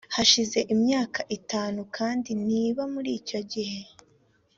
hashize imyaka itanu kandi niba muri icyo gihe